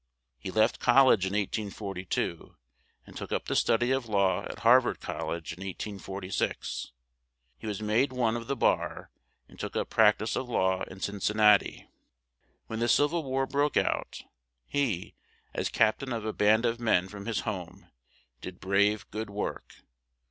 He left col lege in 1842, and took up the stud y of law at Har vard Col lege; in 1846, he was made one of the bar, and took up prac tise of law in Cin cin nat i. When the Civ il War broke out, he, as cap tain of a band of men from his home, did brave, good work.